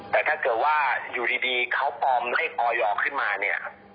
แต่ถ้าเกิดว่าอยู่ดีเขาปลอมได้ออยอร์ขึ้นมา